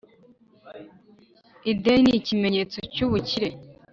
ideni ni ikimenyetso cy’ ubukire